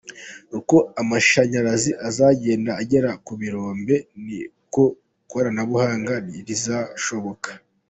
Uko amashanyarazi azagenda agera ku birombe, n’iryo koranabuhanga rizashoboka.